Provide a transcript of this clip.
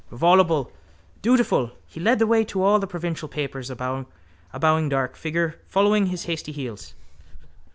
Voluble, dutiful, he led the way to all the provincial papers, a bowing dark figure following his hasty heels.